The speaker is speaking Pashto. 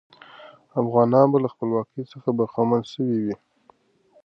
افغانان به له خپلواکۍ څخه برخمن سوي وي.